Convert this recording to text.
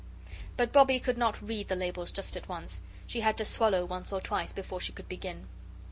But Bobbie could not read the labels just at once. She had to swallow once or twice before she could begin.